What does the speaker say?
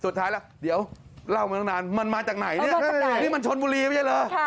สุดท้ายล่ะเดี๋ยวเล่ามาตั้งนานมันมาจากไหนเนี่ยนี่มันชนบุรีไม่ใช่เหรอ